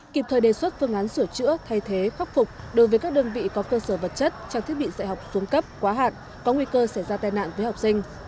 kịp thời đề xuất phương án sửa chữa thay thế khắc phục đối với các đơn vị có cơ sở vật chất trang thiết bị dạy học xuống cấp quá hạn có nguy cơ xảy ra tai nạn với học sinh